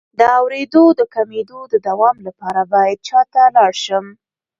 د اوریدو د کمیدو د دوام لپاره باید چا ته لاړ شم؟